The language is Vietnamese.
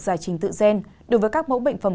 giải trình tự gen đối với các mẫu bệnh phẩm